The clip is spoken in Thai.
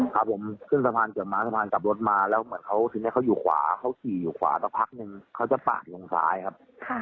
ครับผมขึ้นสะพานเกือบม้าสะพานกลับรถมาแล้วเหมือนเขาทีนี้เขาอยู่ขวาเขาขี่อยู่ขวาสักพักนึงเขาจะปาดลงซ้ายครับ